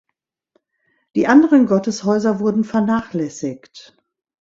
Die anderen Gotteshäuser wurden vernachlässigt.